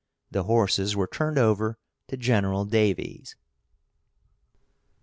The horses were turned over to Gen. Daviess.